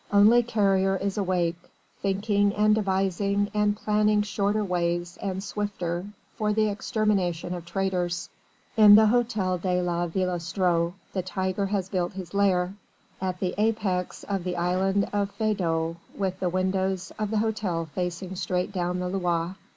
Only Carrier is awake thinking and devising and planning shorter ways and swifter, for the extermination of traitors. In the Hôtel de la Villestreux the tiger has built his lair: at the apex of the island of Feydeau, with the windows of the hotel facing straight down the Loire.